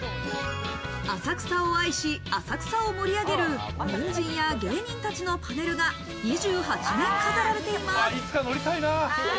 浅草を愛し、浅草を盛り上げる文人や芸人たちのパネルが２８面、飾られています。